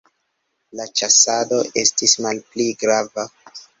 La ĉasado estis malpli grava.